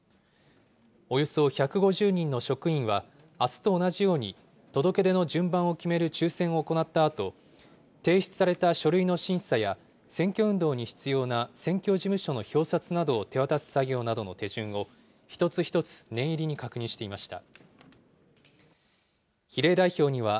およそ１５０人の職員は、あすと同じように、届け出の順番を決める抽せんを行ったあと、提出された書類の審査や、選挙運動に必要な選挙事務所の標札などを手渡す作業などの手順を、一つ一つ念入りに確認していました。